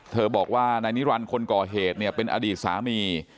บอกว่านายนิรันดิ์คนก่อเหตุเนี่ยเป็นอดีตสามี